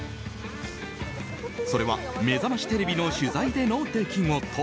それは「めざましテレビ」の取材での出来事。